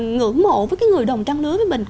ngưỡng mộ với cái người đồng trang lứa với mình